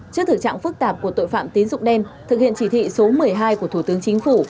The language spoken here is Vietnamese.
trước thực trạng phức tạp của tội phạm tín dụng đen thực hiện chỉ thị số một mươi hai của thủ tướng chính phủ